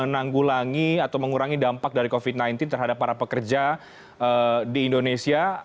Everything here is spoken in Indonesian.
menanggulangi atau mengurangi dampak dari covid sembilan belas terhadap para pekerja di indonesia